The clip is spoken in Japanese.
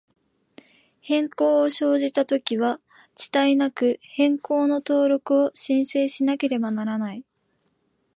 変更を生じたときは、遅滞なく、変更の登録を申請しなければならない。